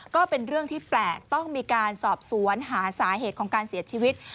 ก็เป็นเรื่องที่แปลกต้องมีการสอบสวนหาสาเหตุของการเสียชีวิต